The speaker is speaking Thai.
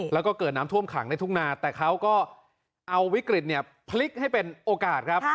แล้วก็เกิดน้ำท่วมขังในทุ่งนาแต่เขาก็เอาวิกฤตพลิกให้เป็นโอกาสครับ